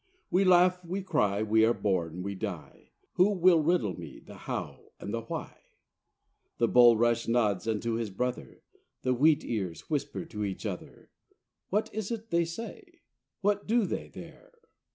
We laugh, we cry, we are born, we die, Who will riddle me the how and the why? The bulrush nods unto his brother The wheatears whisper to each other: What is it they say? What do they there?